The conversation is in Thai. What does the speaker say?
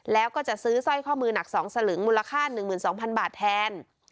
แล้วก็จะซื้อสร้อยข้อมือหนัก๒สลึงมูลค่า๑๒๐๐๐บาทแทน